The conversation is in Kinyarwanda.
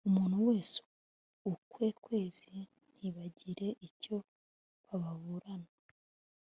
umuntu wese ukwe kwezi ntibagire icyo bababurana